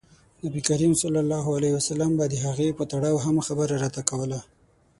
نبي کریم ص به د هغې په تړاو هم خبره راته کوله.